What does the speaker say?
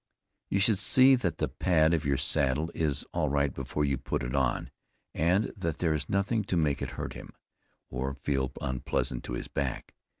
You should see that the pad of your saddle is all right before you put it on, and that there is nothing to make it hurt him, or feel unpleasant to his back.